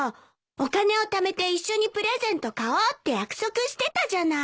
お金をためて一緒にプレゼント買おうって約束してたじゃない！